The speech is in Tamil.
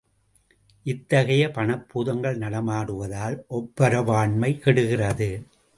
இத்தகைய பணப்பூதங்கள் நடமாடுவதால் ஒப்புரவாண்மை கெடுகிறது.